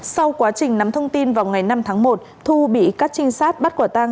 sau quá trình nắm thông tin vào ngày năm tháng một thu bị các trinh sát bắt quả tang